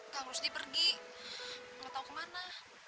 kak rusdi pergi nggak tahu ke mana